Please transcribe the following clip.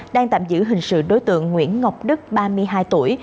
đang tạm giữ hình sự đối tượng nguyễn ngọc đức ba mươi hai tuổi